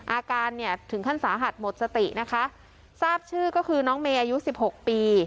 อาการเนี่ยถึงขั้นสาหัสหมดสตินะคะทราบชื่อก็คือน้องเมย์อายุสิบหกปี